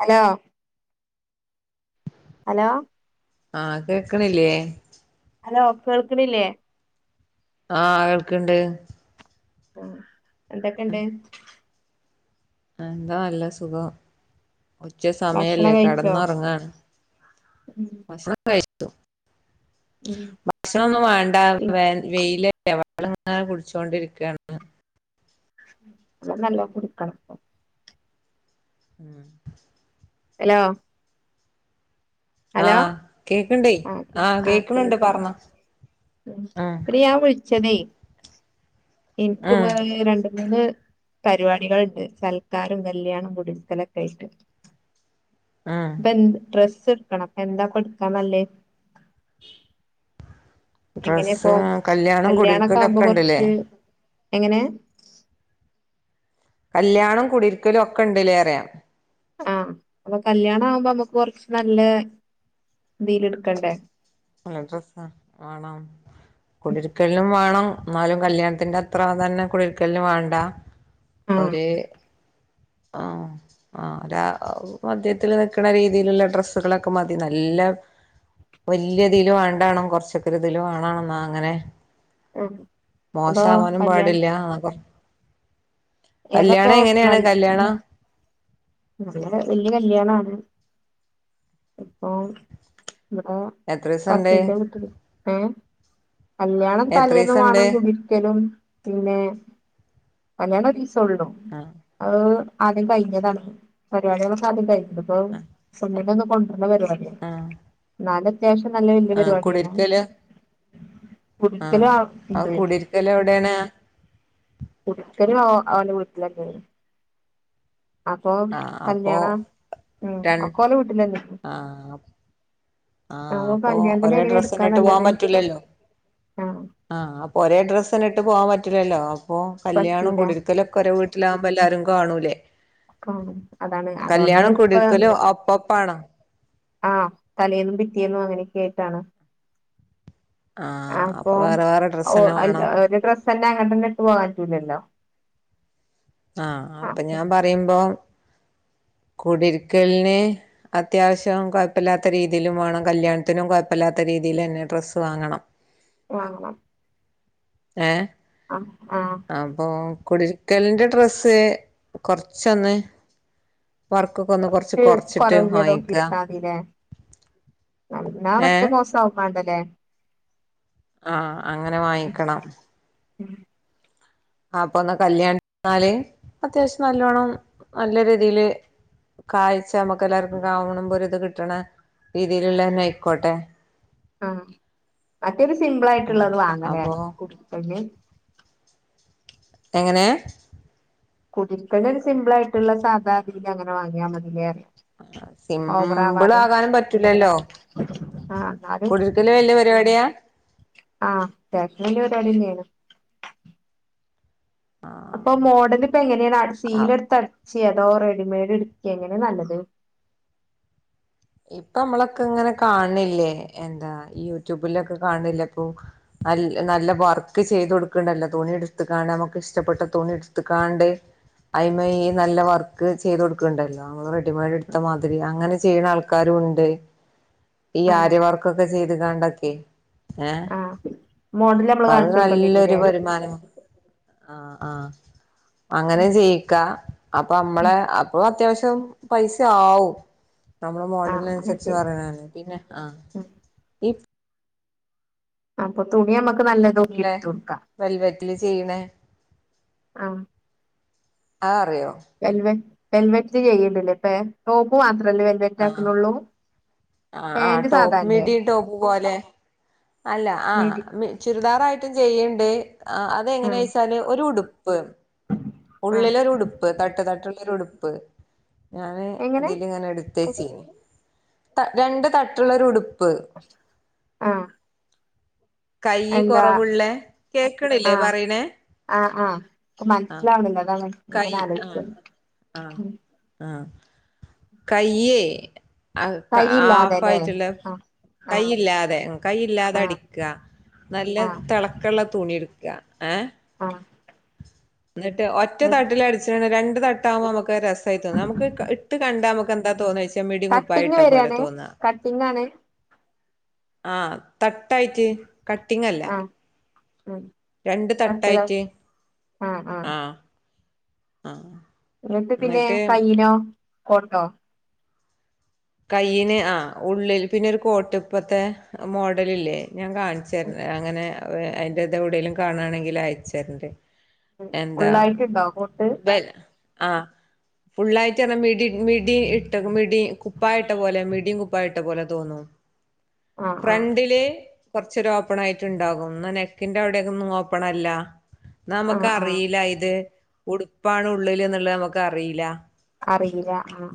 Hello, hello. ആഹ് കേക്കണില്ലേ? Hello, കേൾക്കണില്ലേ. ആഹ് കേൾക്കുണ്ട്. ആ എന്തൊക്കെണ്ട്. എന്താ നല്ല സുഖം ഉച്ച ഭക്ഷണം സമയല്ലേ കഴിച്ചോ കടന്നുറങ്ങാണ്. ഉം ഭക്ഷണം കഴിച്ചു. ഭക്ഷണംന്നും വേണ്ട വ വെയിലല്ലേ വെള്ളം അങ്ങനെ കുടിച്ചുകൊണ്ടിരിക്കുകയാണ്. അ നല്ലോണം കുടിക്കണപ്പ. ഹലോ, ഹലോ, ആഹ് കേക്കണ്ടേ ആഹ് ആ കേക്കണണ്ട് പറഞ്ഞോ ഉം വിള ചെതെ. ഇനിക്ക്പ്പോ ഉം രണ്ട്. ഇന്ന് പരിപാടികളുണ്ട് സൽക്കാരം കല്യാണം കുടിരിക്കലൊക്കെ ആയിട്ട്. ഉം ഇപ്പ എഡ്രസ്സ് എടുക്കണം അപ്പൊ എന്താ എടുക്കാന്നല്ലേ. എങ്ങനെയപ്പൊ ഡ്രസ്സ് കല്യാണം കല്യാണൊക്കെ ആകുമ്പോ കുടിരിക്കലൊക്കെ ഉണ്ടല്ലേ കുറച്ച് എങ്ങനെ. കല്യാണം കുടിരിക്കലും ഒക്കെ ഉണ്ടല്ലേ പറയാ. ആഹ് അപ്പൊ കല്യാണം ആവുമ്പോ നമ്മുക്ക് കൊറച്ച് നല്ല ഇതിൽ എടുക്കണ്ടേ. നല്ല ഡ്രസ്സ വേണം. ഉം കുടിരിക്കലിനും വേണം എന്നാലും കല്യാണത്തിന്റെ അത്ര തന്നെ കുടരിക്കലിനും വേണ്ട. ആഹ് ഒരേ ആഹ് ആ മദ്യത്തില് നിക്കണ രീതിയിലുള്ള ഡ്രെസ്സുകളൊക്കെ മതി നല്ല. വലിയ ഇതിലും വണ്ടാനും കൊറച്ചൊക്ക ഇതിലും വാണനും അങ്ങനെ ഉം അപ്പൊ മോശവാനും കല്യാണം പാടില്ല ആഹ് ഏതാപ്പോ നാ ഹറയാണ [unintelligible] വല്യ കല്യാനാണ് ഇപ്പൊ ഇവിടെ എത്ര ദിവസം ഉണ്ട് കസിന്റെ വീട്ടില് ഏ കല്യാണം എത്ര തലേന്ന് ദിവസം ഉണ്ട് വേണം കൂടി ഒരിക്കലും പിന്നെ കല്യാണ ഒറീസ ഉള്ളു ആഹ് അ ആദ്യം കഴിഞ്ഞതാണ് പരിപാടികളൊക്കെ ആദ്യം കഴിഞ്ഞത് ഇപ്പൊ പെണ്ണിനെ കൊ നല്ലപരിപാടിയ ആഹ് എന്നല് അത്യാവശ്യം നല്ല വല്യ ആഹ് പരിപാടിയാണ് കുടിരിക്കല് കുടിരിക്കലും ആ ഇണ്ട് ആഹ് കുടിരിക്കൽ എവിടെയാണ് കുടിരിക്കൽ അവൻ്റെ വീട്ടിലെന്നെന്ന് അപ്പം ആഹ് അപ്പോ കല്യാണം ഉം രൺ ഒക്കെ ഒലെ വീട്ടിലന്നെ ആഹ് ആഹ് ഓ അപ്പൊ പഞ്ചായത്തിന് ഒരേ എങ്ങനെ എടുക്കാ ഡ്രസ്സിനിട്ട് പോവാൻ നല്ലത് പറ്റൂലല്ലോ ആഹ് ആഹ് അപ്പോ ഒരേ ഡ്രസന്നെ ഇട്ട് പോവാൻ പറ്റില്ലല്ലോ അപ്പോ കല്യാണം പറ്റൂല കുടിരിക്കലൊക്കെ ഒരേ വീട് ട്ടിലവുബോ എല്ലാരും കാണൂലേ കാണും അതാണ് അതുകൊണ്ടാണ് കല്യാണം ഇപ്പ കുടിരിക്കലും ഒപ്പപ്പണോ ആഹ് തലേന്നും പിറ്റ്യേന്നും അങ്ങനെയൊക്കെ ആയിട്ടാണ് ആഹ് അപ്പൊ വേറെ വേറെ ഒ ഡ്രസ്സന്നെ അൽ വേണം ഒരു ഡ്രസന്നെ അങ്ങോട്ടന്നെ ഇട്ട് പോവാൻ പറ്റൂലല്ലോ ആഹ് അ ഹ് അപ്പൊ ഞാൻ പറയുമ്പോ കുടിരിക്കൽന് അത്യാവശ്യം കുഴപ്പല്ലാത്ത രീതിയിലും വേണം കല്യാണത്തിനും കുഴപ്പല്ലാത്ത രീതിയിലെന്നെ ഡ്രസ്സ് വാങ്ങണം വാങ്ങണം ഏഹ് അഹ് ആഹ് അപ്പൊ കുടിര്ക്കലിന്റെ ഡ്രസ്സ് കൊറച്ചൊന്ന് വർക്കൊക്കെ ഒന്ന് കൊറച്ച് ച്ച് കൊറച്ചിട്ട് കൊറഞ്ഞതൊക്കെ വാങ്ങിക്ക ന്നാ ഏ മറ്റേ മോസം ആവും മാണ്ടല്ലേ ആഹ് അങ്ങനെ വാങ്ങിക്കണം അപ്പന്ന കല്യാണതിന്ന്നാല് അത്യാവശ്യം നല്ലോണ്ണം നല്ല രീതിയില് കാഴ്ച നമക്ക് എല്ലാർക്കും കാണുബോ ഒരു ഇത് കിട്ടണ രീതിയിലുള്ളന്നെ ആയിക്കോട്ടെ ആഹ് മറ്റേത് സിമ്പിൾ ആഹ് ആയിട്ട്ള്ളത് വാങ്ങലെ അപ്പൊ കു എങ്ങനെ കുടിരികലിന് ഒരു സിമ്പിളായിട്ടുള്ള സാധാ അങ്ങനെ വാങ്ങിയാ മതിലെറ്യാ സിമ്പിള ആകാനും പറ്റൂലല്ലോ ആഹ് എന്നാലും കുടി കല് വല്യ പരിപാടിയാ ആഹ് അത്യവ്ശ്യ വല്യ പരുവാടിന്നേണ് അപ്പം മോഡല് ഇപ്പ എങ്ങനെയാണ് ആഹ് സീല എടുത്തടിച്ചെ അതോ റെഡിമെയ്ഡ്ടുക്കെ എങ്ങനെ നല്ലത് ഇപ്പൊ നമ്മളൊക്കെ ഇങ്ങനെ കാണ്ല്ലേ എന്താ യൂട്യൂബിലൊക്കെ കാണ്ല്ല ഇപ്പൊ നൽ നല്ല വർക്ക് ചെയ്ത് കൊടുക്ണ്ടല്ലോ തുണി എടുത്ക്കാണ്ട് നമ്മക്ക് ഇഷ്ടപ്പെട്ട തുണി എടുത്ക്കാണ്ട് അയ്മെ ഈ നല്ല വർക്ക് ചെയ്ത് കൊടുക്ണ്ടല്ലോ നമ്മള് റെഡിമെയ്ഡ് എടുത്ത മാതിരി അങ്ങനെ ചെയ്യുന്ന ആൾക്കാ കാരുണ്ട് ഈ ആഹ് ആര്വമാർക്കൊക്കെ ചെയ്ത്കണ്ടൊക്കെ ഏഹ് ആഹ് മോഡല് നമ്മള് അപ്പ അത് കാണിച്ചു കൊടുക്കേണ്ടി നല്ലൊരു വരൂല്ലേ വരുമാനം ആഹ് ആഹ് അങ്ങനെ ചെയ്യിക്ക അപ്പൊ നമ്മളെ അപ്പൊ അത്യാവശ്യം പൈസ ആവും നമ്മള ആഹ് മോഡല്ന് അങ്ങനെ അനുസരിച്ച് ശരി പറയണ പിന്നെ ആഹ് ഈ അപ്പൊ തുണി നമ്മുക്ക് നല്ലതോക്കി ഇടുത്തു കൊടുക്കാം വൽവറ്റില് ചെയ്യ്ണേ ആഹ് ആഹ് അറിയോ വെൽവെ വെൽവെറ്റ് ചെയ്യ്ണ്ട്ല്ലേ പ്പെ ടോപ്പ് മാത്രല്ലേ വെൽവെറ്റ് ആഹ് ആക്ണോള്ളൂ ആഹ് ആഹ് ടോപ്പ് മിഡീ ടോപ്പ് പോലെ അല്ല ആഹ് മീഡി മി ചുരിദാറായിട്ടും ചെയ്യ്ണ്ട് ആഹ് അതെങ്ങനെച്ചാല് ഒരു ഉടുപ്പ് ആഹ് ഉള്ളിലൊരു ഉടുപ്പ് തട്ട് തട്ടുള്ളൊരു ഉടുപ്പ് ഞാന് എങ്ങനെ ഇതില് ങ്ങനെ എട് ച്ചീനീ ത രണ്ട് തട്ടുള്ളരു ഉടുപ്പ് ആഹ് കയ്യ് എന്താ കുറവുള്ളേ കേക്ണില്ലേ ആഹ് പറിണെ ആഹ് ആഹ് പ്പ മനസ്സിലാവ്ണ്ല്ല അതാണ് കൈ ങ്ങനെ ആലോയ്ച്ച ആഹ് ആഹ് ആഹ് കയ്യേ ആഫ് കൈയില്ലാതെല്ലേ ആയിട്ടുള്ള ആഹ് ആഹ് കൈയില്ലാതെ കൈയില്ലാതെ ആഹ് അടിക്കുക നല്ല ആഹ് തിള - - ക്കള്ള തുണി എടുക്കുക ഏ ആഹ് എന്നിട്ട് ഒറ്റ ഉം തട്ടില അടിച്ചിണ് രണ്ട് തട്ടാവകുമ്പോ നമുക്ക് രസമായി തോന്നും നമുക്ക് ഇട്ട് കണ്ടാ നമുക്ക് എന്താ തോന്ന ച്ചാ മിടി കുപ്പായി കട്ടിങ് ഇട്ടാ പോലെ വരാണ് തോന്നാ കട്ടിങ്ങാണ് ആഹ് തട്ടായിട്ട് കട്ടിങ് അല്ല ആഹ് ഉം രണ്ട് തട്ട് ത തട്ടായിട്ട് ആഹ് ആഹ് എന്നിട്ട് പിന്നെ എന്നിട്ട് കയ്നോ കോട്ടോ കൈയിന് ആ ഉള്ളിൽ പിന്നെ ഒരു കോട്ടപ്പത്തെ മോഡല് ഇല്ലേ ഞാൻ കാണിച്ചര അങ്ങനെ അയിൻറ ഇത എവിടെലും കാണായാണെങ്കിൽ അയച്ചരേണ്ട് എന്താ ഫുള്ളായിട്ടുണ്ടോ കോട്ട് ബെൽ ആഹ് ഫുള്ളായിട്ട് എന്നാ മിടി മിടി ഇട്ട് മിടി കുപ്പായിട്ട പോലെ മിടിയും കുപ്പായിട്ട പോലെ തോന്നും ആഹ് ആഹ് ഫ്രെണ്ടില് കുറച്ച് ഒരു ഓപ്പൺ ആയിട്ട് ഉണ്ടാകും എന്ന നെക്കിന്റെ അവിടെയൊക്ക ഒന്നും ഓപ്പൺ അല്ല എന്നാ ആഹ് ആഹ് നമുക്ക്റിയില്ല ഇത് ഉടുപ്പാണ് ഉള്ളിൽ എന്നുള്ളത് നമുക്ക്റിയില്ല അറിയില്ല ആഹ്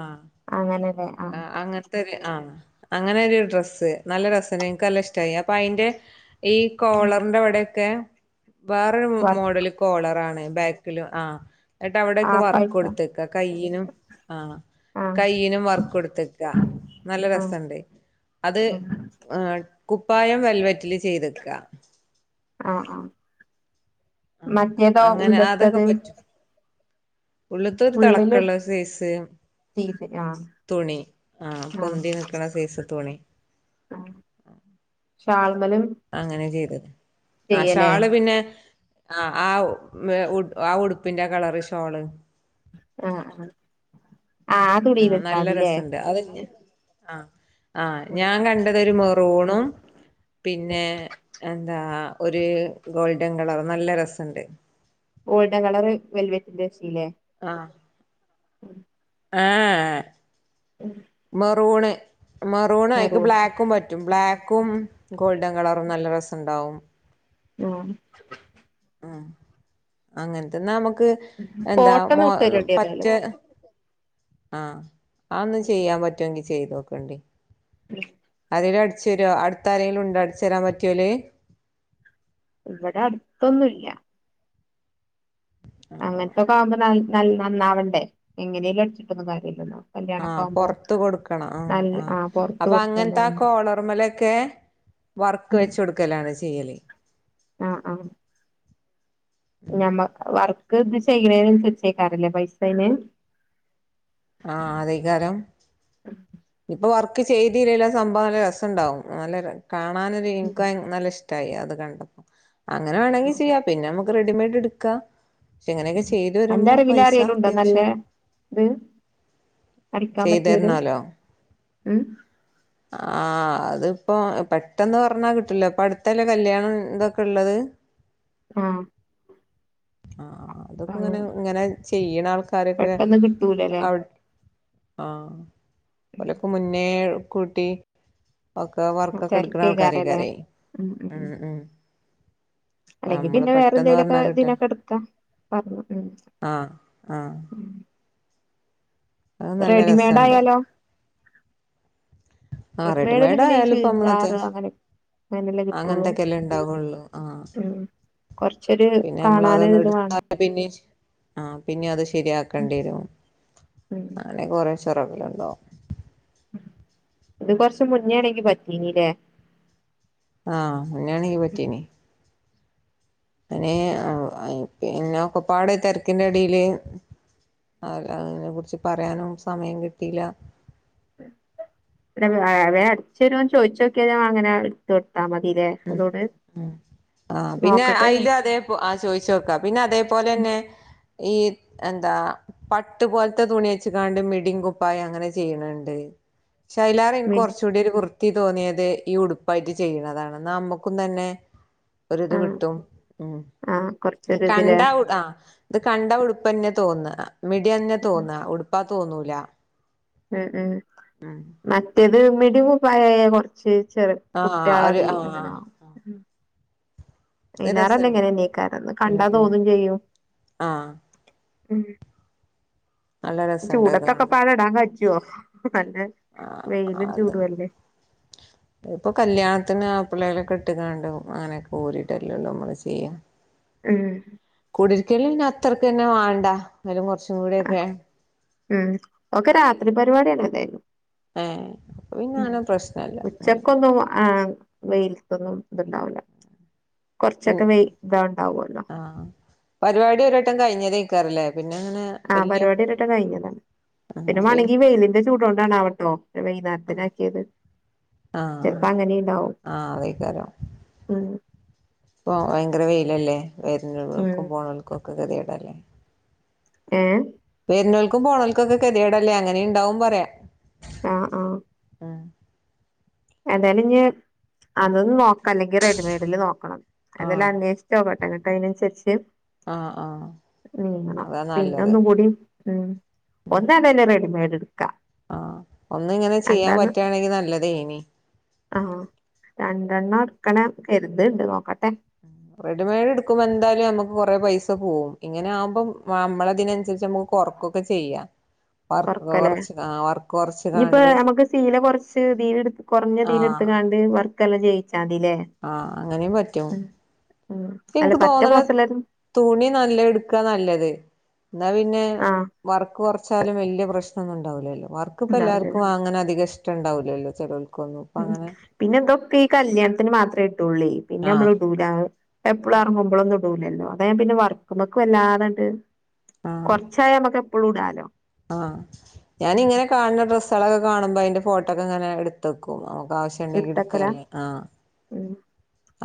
ആഹ് അങ്ങനെ ആഹ് അങ്ങനെ ആ ഹ് അങ്ങനെത്തെ ഒരു ഡ്രസ്സ് നല്ല ഡ്രസ് എനക്ക് നല്ല ഇഷ്ടമായി അപ്പൊ അതിന്റെ ഈ കോളറിന്റെ അവിടൊക്കെ വേറൊരു വർ മോഡല് കോളറ ആ ണ് ബാക്കിൽ ആഹ് എന്നട്ട് അവിടൊക്കെ വർക്ക് ഹാഫായിട്ടാ കൊടുത്തേക്കാ കൈയ്യിനും ആഹ് ആഹ് കൈയ്യിനും വർക്ക് ക്ക് കൊടുത്തേക്ക നല്ല ആഹ് രസുണ്ട് അത് ഉം ആഹ് കുപ്പായം വെൽവറ്റിൽ ചെയ്തെക്കുക ആഹ്ആഹ് ആഹ് മറ്റേതോ അങ്ങനെ ഉള്ളത്തത് ഉള്ളത്തരു തിളക്കുള്ള സേസ് തീത് ആഹ് തുണി ആഹ് പൊന്തി നിൽക്കണ സൈസ് തുണി ആം ഷാൾമേലും അങ്ങനെ ചെയ്തത് ആ ഷാള് പിന്നെ ആ ഹ് ആ ഉടുപ്പിന്റെ കളറ് ഷോള് ആഹ് ആഹ് ആഹ് ആ ആഹ് തുണിയിലെടുത്താ നല്ല മതില്ലേ രസ ണ്ട് അത് ആഹ് ആഹ് ഉം ഞാൻ കണ്ടത് ഒരു മെറൂണും പിന്നെ എന്താ ഒരു ഗോൾഡൻ കളർ നല്ല രസുണ്ട് ഗോൾഡൻ കളർ വെൽവറ്റന്റെ രശല്ലേ ആഹ് ഉം ആഹ് മെറൂണ് മെറൂണ് എനിക്ക് മെറൂൺ ബ്ലാക്കും പറ്റും പറ്റും ബ്ലാക്കും ഗോൾഡൻ കളറും നല്ല രസം ഉണ്ടാവും ആം ഉ അങ്ങനത്തന്നാ നമുക്ക് എന്താ ഫോട്ടോന്ന് മോ വിട്ട് തരേണ്ടി ഏതായാലും പറ്റേ ആഹ് ഒന്ന് ചെയ്യാൻ പറ്റൊങ്കി ചെയ്തോക്കണ്ടി ഉ [unintelligible] ആരെലും അട്ചേരോ അടുത്താരരെങ്കിലുണ്ടോ അട്ചേരാൻ പറ്റിയോൽ ഇവടെ അട്ത്തൊന്നുംല്ല ആഹ് അങ്ങൻത്തൊക്കാകുമ്പോ നൽ നൽ നന്നാവണ്ടേ എങ്ങനേലും അട്ച്ട്ടൊന്നും കാര്യല്ലല്ലോ കല്യാണൊക്കെ ആഹ് ആവുമ്പോ പൊറ്ത്ത് കൊടുക്കണം ആ നല്ല ആഹ് ആ പൊറത്ത് അപ്പൊ കൊടുത്താണ് അങ്ങൻത്ത ആ കോളർമലൊക്കെ വർക്ക് വെചൊട്ക്കലാണ് ചെയ്യല് അ ഹ് ആഹ് ഉം ഞമ്മ വർക്ക് ഇത് ചെയ്യിണേനും കിട്ടേകാരലെ പൈസയ്ന് ആഹ് അദേകാരം ഇപ്പൊ വർക്ക് ചെയ്തില്ലേലും ആ സംഭവം നല്ല രസണ്ടാവും നല്ലര് കാണാനൊരു ഇൻക്ക് നല്ലഷ് ട്ടായി അത് കണ്ടപ്പോ അങ്ങനെ വേണങ്കി ചെയ്യാ പിന്നെ നമ്മക്ക് റെഡിമെയ്ഡ് ഇട്ക്കാ പിന്നെ ഇങ്ങനെക്കെ ചെയ്ത് അന്റെ വരുമ്പോ അറിവില് പൈസ ആരേലുണ്ടോ നല്ല അത്യാവിശ്യം ഇത് അടിക്കാൻ പറ്റിയോല് ചെയ്തര്ന്നാലോ ഉം ആ അത്പ്പോ പെട്ടെന്ന് പറഞ്ഞാ കിട്ട്ല്ലാ ഇപ്പൊ അടുത്തല്ലേ കല്യാണം തൊക്കെള്ളത് ആഹ് ആഹ് അതൊക്കെ ആഹ് ഇങ്ങനെ ഇങ്ങനെ ചെയ്യ്ണ ആൾക്കാരൊക്കെ പെട്ടെന്ന് കിട്ടൂലല്ലേ അവ് ആഹ് ഓലൊക്കെ മുന്നേ കൂട്ടി ഒക്കെ വർക്കൊക്കെ ഇട്ക്ക്ണ തിരക്കേക്കാരല്ലേ ആൾക്കാരയ്ക്കാരെ ഉം ഉം അപ്പ അല്ലെങ്കി നമ്മള് പിന്നെ പെട്ടെന്ന് വേറെന്തീലൊക്കെ പറഞ്ഞാ കിട്ട തിനൊക്കെ ഇട്ക്കും പറഞ്ഞു ഉം ആഹ് ആഹ് അത് നല്ല രസണ്ട് റെഡിമെയ്ഡായാലോ ആഹ് റെഡിമെയ്ഡില് പിന്നെ ഈ റെഡിമെയ്ഡായാലും പ്പൊ അമ്മളൊക്കെ ചുരിദാറ് അങ്ങനെ അങ്ങനെല്ലേ കിട്ടുള്ളൂ അങ്ങൻത്തൊക്കെല്ലേ ണ്ടാവൊള്ളു ആഹ് ഉം കൊറച്ചൊരു പിന്നെ കാണാന് ഞമ്മളതൊന്ന് ഇത് വേണം ഇട്ത്ത പിന്നെ ആഹ് പിന്നെ അത് ഉം ശെരിയാക്കണ്ടിവരും ഉം അങ്ങനേ കൊറേ ചൊറകള്ണ്ടാവും ഇത് കൊറച് മുന്നേണെങ്കി പറ്റീനിലേ ആഹ് അങ്ങനെണെങ്കീ പറ്റീനി അയ്ന് അം പിന്നെ ഒക്കപ്പാട് ഇ തെര്ക്കിന്റെടീല് അഹ് അഹ് അതിനെ കുറ്ച്ച് പറയാനും സമയം കിട്ടീല്ല പിന്നെ അങ്ങനെ വേം അട്ചേരോന്ന് ചോയിച്ചോക്കിയാൽ അങ്ങനെ ചോ ആഹ് മതിലേ ഉം ഉം ആഹ് പിന്നെ നോക്കട്ടെ അയില് അതെ പ്പൊ ആ ചോയിചോക്കാ പിന്നെ അതേപോലെന്നെ ഈ എന്താ പട്ട് പോലത്തെ തുണി വെച്ക്കാണ്ട് മിടിം കുപ്പായം അങ്ങനെ ചെയ്യ്ണേണ്ട് ഷേ അയ്ലേറെ ഇൻക്ക് മിഡി കൊറ്ചൂടി ഒരു വൃത്തി തോന്നിയത് ഈ ഉടുപ്പായിട്ട് ചെയ്യ്ണതാണ് ന്നാ അമ്മക്കും തന്നെ ഒര്ത് ആഹ് കിട്ടും ഉം ആഹ് ഇത് കൊറച്ചൊരു ഇതിലേ കണ്ടാ ഉം ആഹ് ഇത് കണ്ടാ ഉടുപ്പന്നെ തോന്ന മിടിന്നെ ഉം തോന്നാ ഉടുപ്പാ തോന്നൂല എ ഏ ഉം മറ്റേത് മിടിം കുപ്പായയാ കൊറ്ച്ച് ചെറെ ആ ഒരു കുട്ട്യാളതി ആ ഇങ്ങനാവും അത് അയ്ലാറല്ലേ രസണ്ട് ഇങ്ങനെന്നെയ്കാരന്ന് ഉം കണ്ടാ ഉം തോന്നും ചെയ്യും ആ ഉം നല്ല ഇ രസണ്ട് അത് കാണാൻ ചൂടത്തൊക്കെപ്പാടെ ഇടാകജ്ജോ മറ്റേ ആഹ് അതൊ [inaudible] അത്പ്പൊ കല്യാൺത്തിന് അപ്പ്ളേലൊക്കെട്ട്കാണ്ടും അങ്ങനെക്കെ ഊരിടല്ലൊള്ളു നമ്മള് ചെയ്യ ഉം കുടിര്ക്കൽന് പിന്നെ അത്രക്കെന്നെ വാണ്ട ന്നാലും കൊറച്ചും ആ കൂടിയൊക്കെ ഉം ഓക്കെ രാത്രി പരിവാടിന്നെല്ലയ്നോ ഏ അപ്പൊ പിന്നെ അങ്ങനെ പ്രശ്നല്ല ഉച്ചക്കൊന്നും ആ വെയിൽത്തൊന്നും ത്ണ്ടാവ് ല ഉം കൊർച്ചൊക്കെ വെയ് താണ്ടാവുല്ലോ. പരിവാടി ഒരട്ടം കഴിഞ്ഞതെയ്ക്കാരം ല്ലേ പിന്നെ എങ്ങനെ ആ പരിവാടി ഒരട്ടം കഴിഞ്ഞതാണ്. പിന്നെ ആഹ് പി മാണെങ്കി വെയ്ലിന്റെ ചൂടോ ണ്ടാണാവട്ടോ വൈന്നാര്ത്ത്നാക്കിയത്. ആ ആ അതയ്ക്കാരം. ഉം ഇപ്പൊ ഭയങ്കര വെയിലല്ലേ ഉം വരുന്നോൽക്കും പോണോൽക്കും ഒക്കെ കെതിയടല്ലേ. ഏ വെര്നോൽക്കും പോണൽക്കൊക്കെ കെതിയടല്ലേ അങ്ങനിം ണ്ടാവും പറിയാ. ആഹ് ആഹ് എന്തായാലും ഞ്ഞി അതൊന്ന് നോക്കാ അല്ലെങ്കി റെഡിമെയ്ഡ്ല് നോക്കണം എന്താലും ആഹ് അന്വേഷ് ചട്ടങ്ങട്ട അതിനനുസരിച്ച് ആഹ് ആഹ് നീങ്ങണം അതാ പിന്നെ നല്ലത് ഒന്നും കൂടിം ഉം ഒന്നേതായ്ലും റെഡിമേഡ് ട്ക്ക ആ ഒന്നിങ്ങനെ ചെയ്യാൻ പറ്റാണെങ്കി നല്ലതേനി. ആ രണ്ടെണ്ണം ട്ക്കണം കര്ത്ണ്ട് നോക്കട്ടെ. റെഡിമെയ്ഡ് എടുക്കുമ്പൊ എന്തായാലും നമുക്ക് കൊറേ പൈസ പോവും ഇങ്ങനെ ആകുമ്പം നമ്മളതിനനുസരിച്ച് നമുക്ക് കൊർ ക്കൊക്കെ ചെയ്യാ കൊർക്കലേ കൊറച്ച് കാണ്ട് ഞ്ഞിപ്പ ഞമുക്ക് സീല കൊർച്ച് തീല്ട്ത്ത് കൊർഞ്ഞ തീല്ട്ത്ത് ആഹ് കാണ്ട് വർക്കെല്ലാം ചെയ്യിച്ചാ മതില്ലേ ആ അങ്ങനിം പറ്റും. ഉം ഉം അല്ല ഇൻക്ക് പറ്റ തോന്ന്ണ് മോശമുള്ളതും തുണി നല്ലത്ട്ക്കാ നല്ലത്. എന്നാ പിന്നെ ആഹ് വർക്ക് കൊർച്ചാലും വല്ല്യ പ്രശ്നൊന്നും ണ്ടാവ് ലല്ലോ വർക്ക് ക്ക്‌ പ്പ ഉണ്ടാവില്ലല്ലേ എല്ലാര്ക്കും അങ്ങന അധിക ഷ്ട്ടണ്ടാവുലല്ലോ ചെലോൽക്കൊന്നും ഉം പ്പങ്ങനെ പിന്നെ തൊക്കെ ഈ കല്യാൺത്തിന് മാത്രേടുള്ളേയ് പിന്നെ ആഹ് മ്മള്ടുല പ്പ എപ്പ്ളും എർങ്ങുമ്പോളൊന്നും ടുല ടുലല്ലോ അതാ ഞാൻ പിന്നെ വർക്ക്‌മ്മക്ക്‌ വല്ലാതാണ്ട് കൊർച്ചായ നമ്മക്ക് എപ്പഴും ടാലോ. ആ ഞാനിങ്ങനെ കാൺണ ഡ്രസ്സാളൊക്കെ കാണ്മ്പോ അയ്ന്റെ ഫോട്ടോക്കെ ങ്ങനെ എട്ത്തക്കും നമുക്ക് ആവ്ശ്യ ആവ്ശ്യണ്ടങ്കി ഇട്ത്തക്കല ഇട്ക്കാല ആ ഉം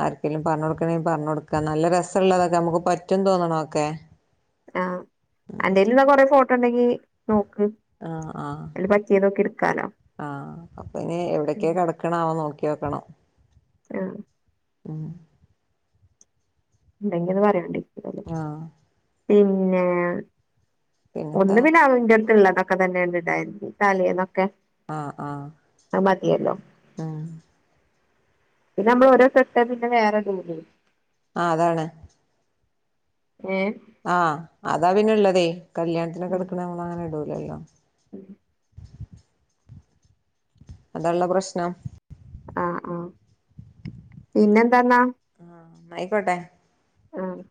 ആർക്കേലും പർഞ്ഞൊട്ക്കണേൽ പർഞ്ഞൊട്ക്കാ നല്ല രസം ള്ളതൊക്കെ നമുക്ക് പറ്റും തോന്നണോക്കെ ആ അന്റെയിൽ ന്നാ കൊറെേ ഫോട്ടോണ്ടെങ്കി നോക്ക് ആ ആ അയില് പറ്റിയതൊക്കെ എടുക്കാലോ ആ അപ്പ ഞ്ഞി എവ്ടക്കേ കെട്ക് ക്ക്ണാവോ നോക്ക്യോക്കണം. ആഹ് ഉം ഇണ്ടെങ്കി ഒന്ന് പറ്യോണ്ടി. ആഹ് പിന്നെ ഒന്ന് പിന്നെന്താ പിന്നെ അത് ന്റട് ത്ത്ള്ളതാ ക്കെത്തന്നേണ്ട് ണ്ടായ്ന്ന് തലേന്നൊക്കെ ആഹ് ആഹ് അത് മതിയല്ലോ. ആഹ് പിന്ന നമ്മൾ ഓരോസെട്ട പിന്നെ വേറെഇടൂല്ല. ആഹ് അതാണ്. ഏഹ് ആഹ് അതാ പിന്നെള്ളതേ കല്യാണത്തിനൊക്കെ എടുക്കണ നമ്മൾ അങ്ങനെ ഇടുലല്ലോ. ഉം അതള്ള പ്രശ്നം. ആഹ് ആഹ് പിന്നെന്താന്നാ. ന്നാ ആയിക്കോട്ടെ, ആഹ്.